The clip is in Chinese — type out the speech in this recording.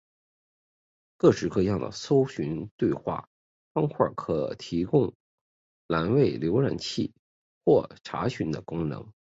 各式各样的搜寻对话方块可提供栏位浏览或查询的功能。